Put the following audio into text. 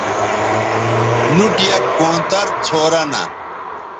نُوٹ یک کونتر څھورہ نہ